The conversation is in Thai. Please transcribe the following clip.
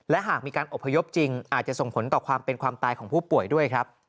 และหากมีการอบพยพจริงอาจจะส่งผลต่อความเป็นความตายของผู้ป่วยด้วยครับ